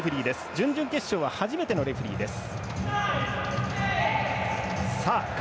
準々決勝は初めてのレフリーです。